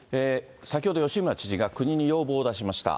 先ほど、吉村知事が国に要望を出しました。